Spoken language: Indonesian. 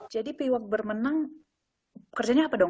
jadi piwak bermenang kerjanya apa dong